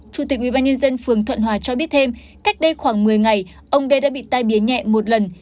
chủ tịch ubnd phường thuận hòa cho biết thêm cách đây khoảng một mươi ngày ông đê đã bị tai biến nhẹ một lần